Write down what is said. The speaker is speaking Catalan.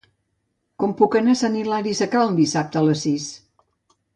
Com puc anar a Sant Hilari Sacalm dissabte a les sis?